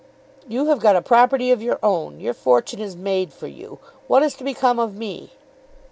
"You have got a property of your own. Your fortune is made for you. What is to become of me?"